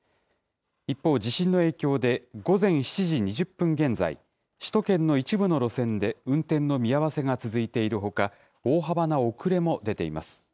一方、地震の影響で午前７時２０分現在、首都圏の一部の路線で運転の見合わせが続いているほか、大幅な遅れも出ています。